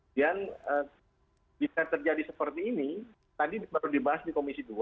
dan jika terjadi seperti ini tadi baru dibahas di komisi dua